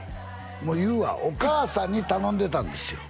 もう言うわお母さんに頼んでたんですよ